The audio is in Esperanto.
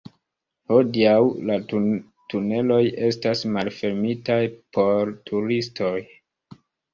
Hodiaŭ, la tuneloj estas malfermitaj por turistoj.